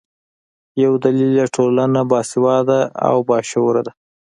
یو دلیل یې ټولنه باسواده او باشعوره ده.